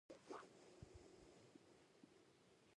مرستې څخه محروم کړل.